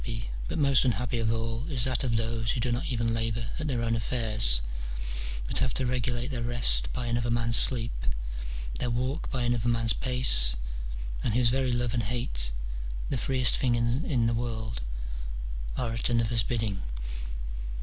The position of all busy men is unhappy, but most unhappy of all is that of those who do not even labour at their own affairs, but have to regulate their rest by another man's sleep, their walk by another man's pace, and whose very love and hate, the freest things in the world, are at another's bidding.